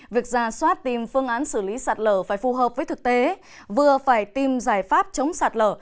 việc ra soát tìm phương án xử lý sạt lở phải phù hợp với thực tế vừa phải tìm giải pháp chống sạt lở